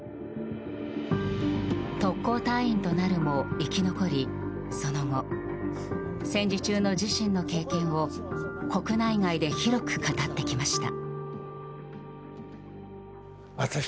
特攻隊員となるも生き残りその後、戦時中の自身の経験を国内外で広く語ってきました。